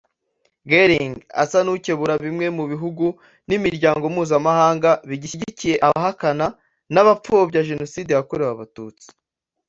Gelling asa n’akebura bimwe mu bihugu n’imiryango mpuzamahanga bigishyigikiye abahakana n’abapfobya Jenoside yakorewe Abatutsi